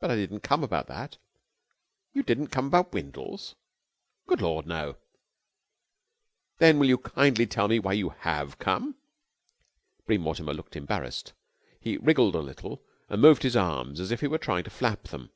"But I didn't come about that!" "You did not come about Windles?" "Good Lord, no!" "Then will you kindly tell me why you have come?" Bream Mortimer looked embarrassed. He wriggled a little and moved his arms as if he were trying to flap them.